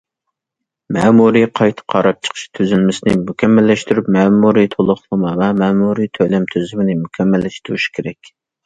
مەمۇرىي قايتا قاراپ چىقىش تۈزۈلمىسىنى مۇكەممەللەشتۈرۈپ، مەمۇرىي تولۇقلىما ۋە مەمۇرىي تۆلەم تۈزۈمىنى مۇكەممەللەشتۈرۈش كېرەك.